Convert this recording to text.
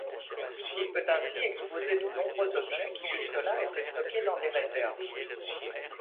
Il peut ainsi exposer de nombreux objets qui jusque-là étaient stockés dans des réserves.